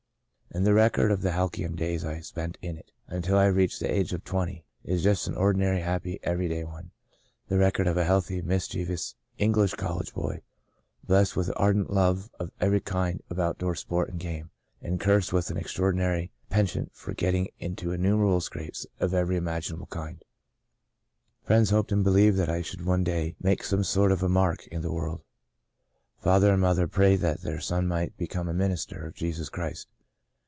And the record of the halcyon days I spent in it, until 1 reached the age of twenty, is just an ordi nary, happy, every day one — the record of a healthy, mischievous, English college boy, blest with an ardent love of every kind of out door sport and game, and cursed with an ex traordinary penchant for getting into innu merable scrapes of every imaginable kind. " Friends hoped and believed that I should one day make some sort of a mark in the world. Father and mother prayed that their son might become a minister of Jesus Christ.